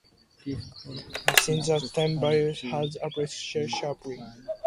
Since that time its value has appreciated sharply.